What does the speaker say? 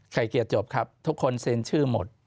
เกลียดจบครับทุกคนเซ็นชื่อหมด